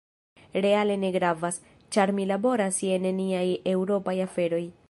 Reale ne gravas, ĉar mi laboras je neniaj eŭropaj aferoj.